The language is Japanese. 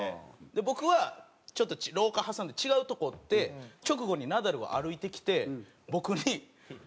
僕は廊下挟んで違うとこおって直後にナダルが歩いてきて僕に。